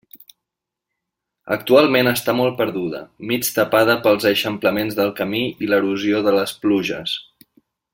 Actualment està molt perduda, mig tapada pels eixamplaments del camí i l'erosió de les pluges.